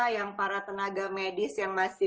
yang para tenaga medis yang masih